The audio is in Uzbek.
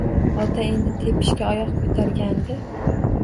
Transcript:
Ota endi tepishga oyoq ko‘targandi